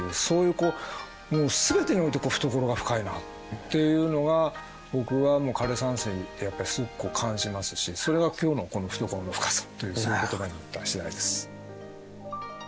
こうもう全てにおいて懐が深いなっていうのが僕は枯山水にやっぱりすごく感じますしそれが今日のこの「懐の深さ」というそういう言葉になった次第です。